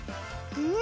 うん！